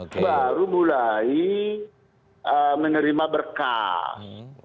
baru mulai menerima berkas